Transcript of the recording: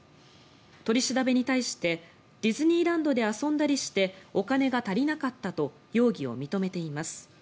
取り調べに対してディズニーランドで遊んだりしてお金が足りなかったと容疑を認めています。